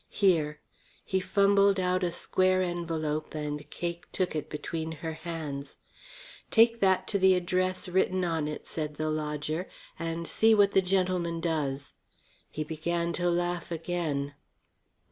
Here," he fumbled out a square envelope and Cake took it between her hands. "Take that to the address written on it," said the lodger, "and see what the gentleman does." He began to laugh again.